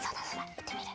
いってみる？